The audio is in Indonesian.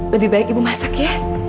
lebih baik ibu masak ya